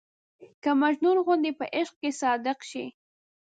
که مجنون غوندې په عشق کې صادق شي.